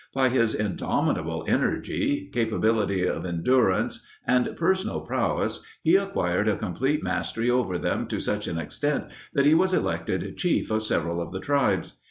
By his indomitable energy, capability of endurance, and personal prowess he acquired a complete mastery over them to such an extent that he was elected chief of several of the tribes.